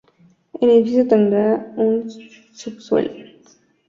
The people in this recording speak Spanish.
El edificio tendrá un subsuelo, planta baja y tres pisos.